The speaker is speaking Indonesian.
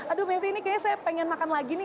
aduh mevry ini kayaknya saya pengen makan lagi nih